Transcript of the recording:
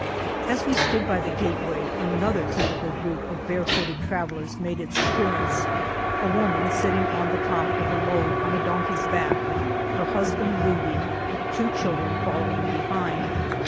As we stood by the gateway another typi cal group of barefooted travellers made its appearance. A woman sitting on the top of a load on a donkey's back, her husband leading, two children following behind.